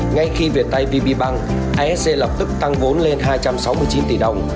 ngay khi việt tay vb bank asc lập tức tăng vốn lên hai trăm sáu mươi chín tỷ đồng